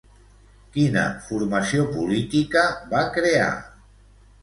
Quina formació política va crear?